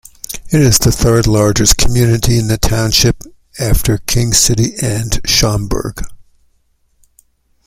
It is the third-largest community in the township, after King City and Schomberg.